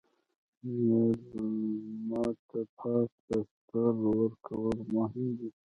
مېلمه ته پاک بستر ورکول مهم دي.